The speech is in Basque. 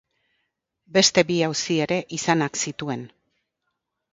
Beste bi auzi ere izanak zituen.